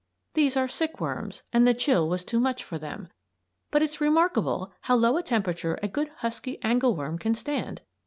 These are sick worms and the chill was too much for them. But it's remarkable how low a temperature a good husky angleworm can stand.